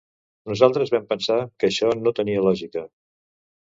Nosaltres vam pensar que això no tenia lògica.